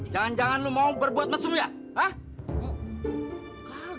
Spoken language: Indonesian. jangan jangan lo mau berbuat mesum ya ah